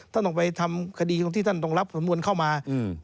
ต้องไปทำคดีตรงที่ท่านต้องรับสำนวนเข้ามา